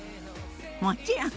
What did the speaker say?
もちろん！